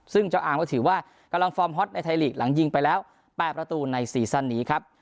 ซึ่งเจ้าอามก็ถือว่ากำลังฟอร์มฮอตในไทยลีกหลังยิงไปแล้ว๘ประตูในซีซั่นนี้ครับ